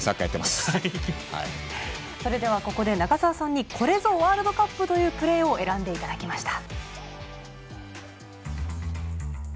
ここで中澤さんにこれぞワールドカップというプレーを選んでいただきました。